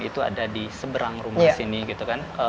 itu ada di seberang rumah sini gitu kan